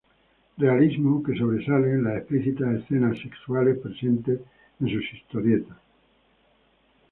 Realismo que sobresale en las explícitas escenas sexuales presentes en sus historietas.